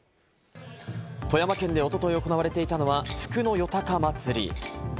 富山県で一昨日行われていたのが、福野夜高祭。